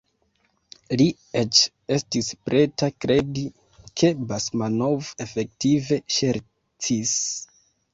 Li eĉ estis preta kredi, ke Basmanov efektive ŝercis.